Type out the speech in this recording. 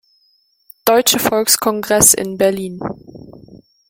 Deutsche Volkskongress in Berlin.